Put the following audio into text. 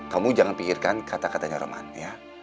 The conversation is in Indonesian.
kamu jangan pikirkan kata katanya roman ya